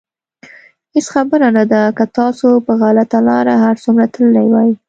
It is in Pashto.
هېڅ خبره نه ده که تاسو په غلطه لاره هر څومره تللي وئ.